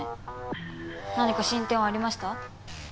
何か進展はありました？